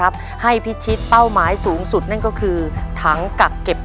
ในแคมเปญพิเศษเกมต่อชีวิตโรงเรียนของหนู